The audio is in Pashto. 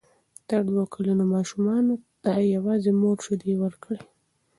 تر دوو کلونو ماشومانو ته یوازې مور شیدې ورکړئ.